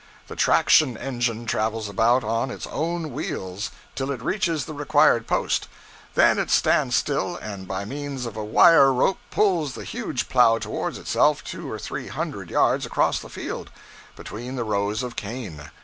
The traction engine travels about on its own wheels, till it reaches the required spot; then it stands still and by means of a wire rope pulls the huge plow toward itself two or three hundred yards across the field, between the rows of cane.